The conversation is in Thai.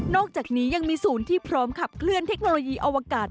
อกจากนี้ยังมีศูนย์ที่พร้อมขับเคลื่อนเทคโนโลยีอวกาศ